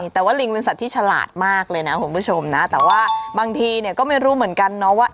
แต่ว่าลิงเป็นสัตว์ที่ฉลาดมากเลยนะคุณผู้ชมนะแต่ว่าบางทีเนี่ยก็ไม่รู้เหมือนกันเนาะว่า